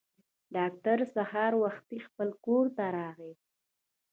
ډاکټر سهار وختي خپل کور ته راغی.